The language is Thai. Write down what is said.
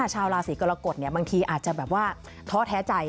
ชาวราศีกรกฎบางทีอาจจะแบบว่าท้อแท้ใจ